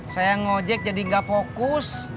saya ngojek jadi gak fokus